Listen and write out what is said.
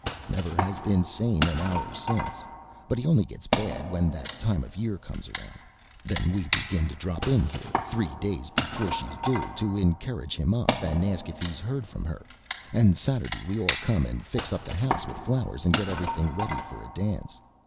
"Never has been sane an hour since. But he only gets bad when that time of year comes round. Then we begin to drop in here, three days before she's due, to encourage him up, and ask if he's heard from her, and Saturday we all come and fix up the house with flowers, and get everything ready for a dance.